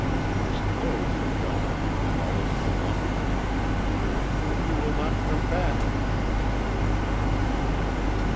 His clothes are gone, and all his belongings. I think he will not come back."